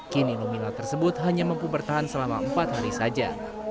kini nomila tersebut hanya mampu bertahan selama empat hari saja